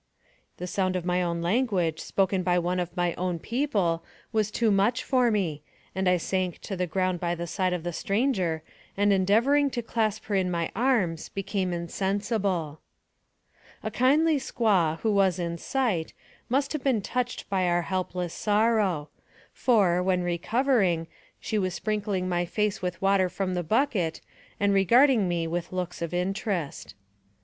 " The sound of my own language, spoken by one of my own people, was too much for me, and I sank to the ground by the side of the stranger, and, endeavor ing to clasp her in my arms, became insensible. A kindly squaw, who was in sight, must have been touched by our helpless sorrow ; for, when recovering, she was sprinkling my face with water from the bucket, and regarding me with looks of interest.